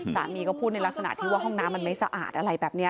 สามีก็พูดในลักษณะที่ว่าห้องน้ำมันไม่สะอาดอะไรแบบนี้